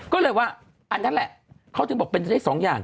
ก็เลยว่าอันนั้นแหละเขาถึงบอกเป็นได้สองอย่าง